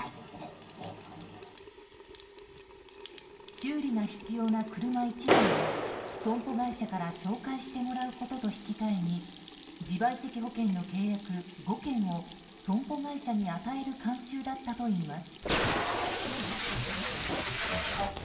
修理が必要な車１台を損保会社から紹介してもらうことと引き換えに自賠責保険の契約５件を損保会社に与える慣習だったといいます。